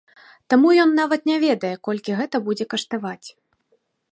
Таму ён нават не ведае, колькі гэта будзе каштаваць.